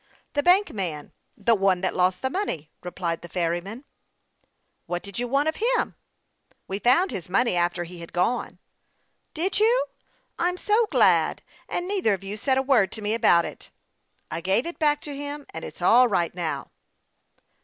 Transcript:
The bank man the one that lost the money,'' replied the ferryman. " What did you want of him ?"" We found his money after he had gone." THE YOUKO PILOT OF LAKE CHAMPLAIN. 83 " Did you ? I'm so glad ! And neither of you said a word to me about it." " I gave it back to him, and it's all right now."